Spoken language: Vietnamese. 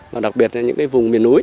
và đặc biệt là những vùng miền núi